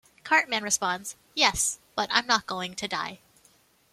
Cartman responds "Yes, but I'm not going to die".